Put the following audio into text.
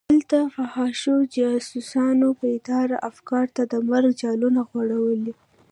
دلته فحاشو جاسوسانو بېداره افکارو ته د مرګ جالونه غوړولي.